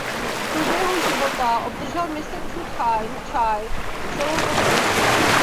V průběhu života obdržel Mistr Ču Tchien–cchaj celou řadu titulů.